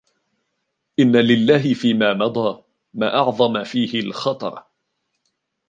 إنَّا لِلَّهِ فِيمَا مَضَى مَا أَعْظَمَ فِيهِ الْخَطَرُ